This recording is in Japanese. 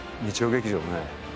日曜劇場もね